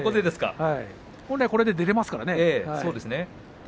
本来はこれで出られますからね。